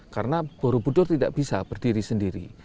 karena borobudur tidak bisa berdiri sendiri